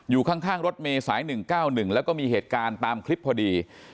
อยู่ข้างรถเมย์สาย๑๙๑แล้วก็มีเหตุการณ์ตามคลิปพอดี